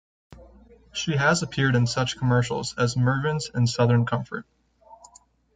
She has appeared in such commercials as "Mervyn's" and "Southern Comfort.